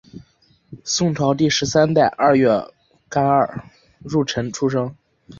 宋朝第十三代二月廿二戊辰出生。